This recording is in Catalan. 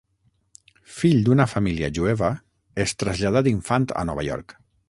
Fill d'una família jueva es traslladà d'infant a Nova York.